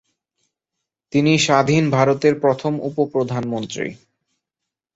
তিনি স্বাধীন ভারতের প্রথম উপ প্রধানমন্ত্রী।